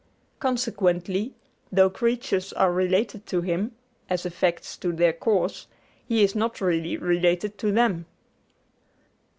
Consequently, though creatures are related to Him, as effects to their cause, He is not really related to them.